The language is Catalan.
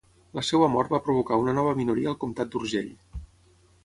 La seva mort va provocar una nova minoria al comtat d'Urgell.